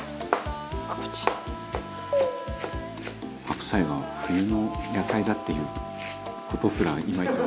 「白菜は冬の野菜だっていう事すらいまいち」